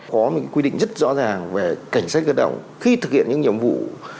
có những quy định rất rõ ràng về cảnh sát cơ động khi thực hiện những nhiệm vụ